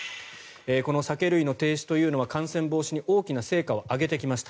この酒類の停止というのは感染防止に大きな成果を上げて来ました